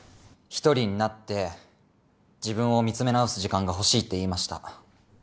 １人になって自分を見つめ直す時間が欲しいって言いました。